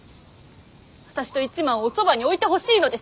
私と一幡をおそばに置いてほしいのです。